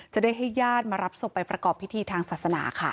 จะได้ให้ญาติมารับศพไปประกอบพิธีทางศาสนาค่ะ